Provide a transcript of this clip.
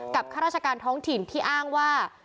ข้าราชการท้องถิ่นที่อ้างว่า